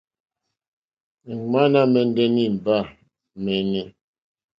Ìŋmánà à mɛ̀ndɛ́ ndí nìbâ mɛ́ɛ́nɛ́.